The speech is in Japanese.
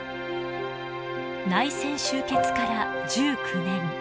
内戦終結から１９年。